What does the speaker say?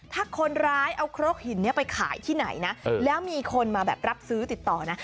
ถ้าคนร้ายเอาครกหินนี้ไปขายที่ไหนนะแล้วมีคนมาแบบรับซื้อติดต่อนะ